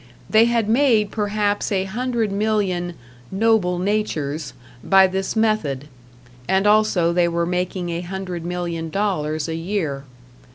They had made perhaps a hundred million "noble natures" by this method; and also they were making a hundred million dollars a year.